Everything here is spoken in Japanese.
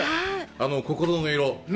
「心の色」。